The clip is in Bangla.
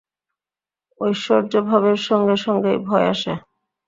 ঐশ্বর্য-ভাবের সঙ্গে সঙ্গেই ভয় আসে।